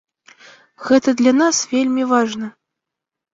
Гэта для нас вельмі важна.